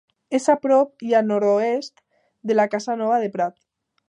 És a prop i al nord-oest de la Casa Nova del Prat.